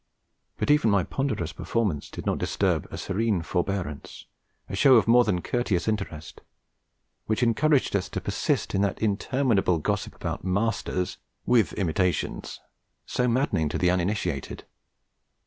But even my ponderous performance did not disturb a serene forbearance, a show of more than courteous interest, which encouraged us to persist in that interminable gossip about masters (with imitations!) so maddening to the uninitiated.